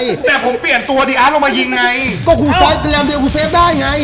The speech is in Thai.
แต่ผมเปลี่ยนตัวแต่อาร์ทลงมายิงไงคุณซ้ายแกนแรมเดียวคุณเซฟได้ไง